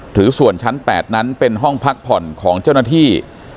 หรือส่วนชั้น๘นั้นเป็นห้องพักผ่อนของเจ้าหน้าที่